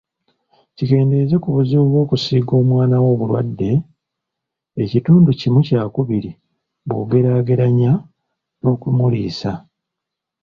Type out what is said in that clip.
Kikendeeza ku buzibu bw'okusiiga omwana wo obulwadde ekitundu kimu kyakubiri bw'ogeraageranya n'okumuliisa.